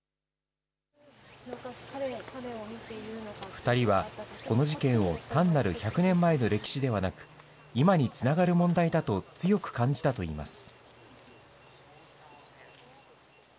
２人はこの事件を、単なる１００年前の歴史ではなく、今につながる問題だと強く感じたといいます。